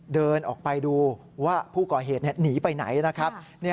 เดินออกไปดูว่าผู้ก่อเหตุหนีไปไหนนะครับ